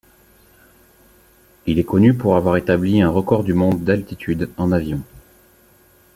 Il est connu pour avoir établit un record du monde d'altitude en avion.